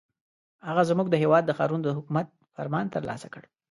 هغه زموږ د هېواد د ښارونو د حکومت فرمان ترلاسه کړ.